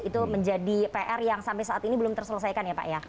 itu menjadi pr yang sampai saat ini belum terselesaikan ya pak ya